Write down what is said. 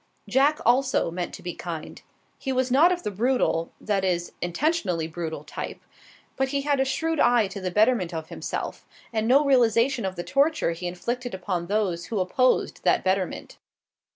Jack also meant to be kind. He was not of the brutal that is, intentionally brutal type, but he had a shrewd eye to the betterment of himself, and no realization of the torture he inflicted upon those who opposed that betterment.